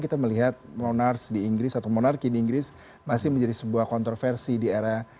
kita melihat monars di inggris atau monarki di inggris masih menjadi sebuah kontroversi di era